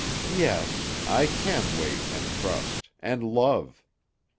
"Yes. I can wait and trust—and love."